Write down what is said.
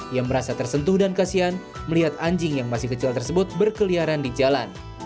ia merasa tersentuh dan kasian melihat anjing yang masih kecil tersebut berkeliaran di jalan